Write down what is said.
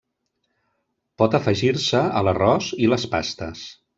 Pot afegir-se a l'arròs i les pastes.